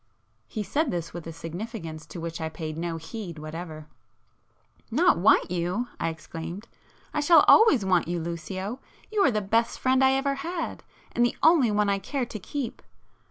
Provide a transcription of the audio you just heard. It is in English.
He said this with a significance to which I paid no heed whatever. [p 341]"Not want you!" I exclaimed—"I shall always want you Lucio,—you are the best friend I ever had, and the only one I care to keep.